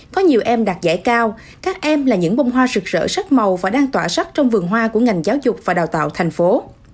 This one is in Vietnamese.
có nhiều em đạt giải cao các em là những bông hoa rực rỡ sắc màu và đang tỏa sắc trong vườn hoa của ngành giáo dục và đào tạo thành phố